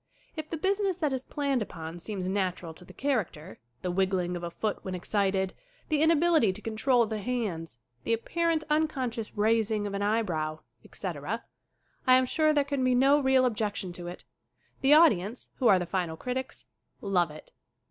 If the business that is planned upon seems natural to the character the wiggling of a foot when excited, the inability to control the hands, the apparent unconscious raising of an eyebrow, etc. I am sure there can be no real objection to it. The audience, who are the final critics, love it.